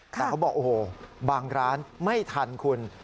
แต่เขาบอกโอ้โหบางร้านไม่ทันคุณ